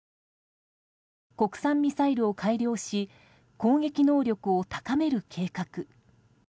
国産ミサイルを改良し攻撃能力を高める計画。